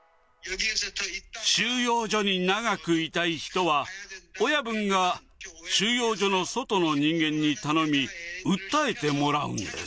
収容所に長くいたい人は、親分が収容所の外の人間に頼み、訴えてもらうんです。